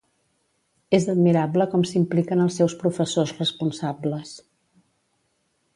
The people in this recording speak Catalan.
És admirable com s'impliquen els seus professors responsables.